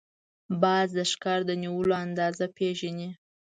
باز د ښکار د نیولو اندازې پېژني